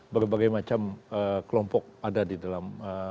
berbagai macam kelompok ada di dalam